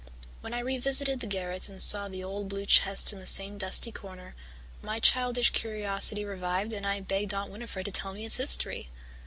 When I revisited the garret and saw the old blue chest in the same dusty corner, my childish curiosity revived and I begged Aunt Winnifred to tell me its history.